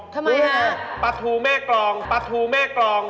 ทำไมฮะปลาทูแม่กรองปลาทูแม่กรอง